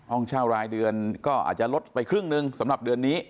ห้องเช่ารายเดือนก็อาจจะลดไปครึ่งหนึ่งสำหรับเดือนนี้